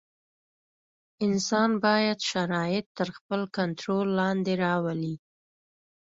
انسان باید شرایط تر خپل کنټرول لاندې راولي.